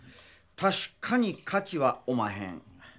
たしかに価値はおまへん。